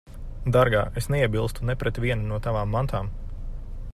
Dārgā, es neiebilstu ne pret vienu no tavām mantām.